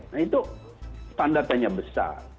nah itu standartnya besar